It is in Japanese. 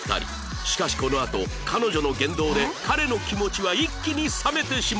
しかしこのあと彼女の言動で彼の気持ちは一気に冷めてしまいます